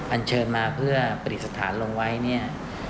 อันเชิญมาเพื่อปฏิสถานลงไว้เนี่ย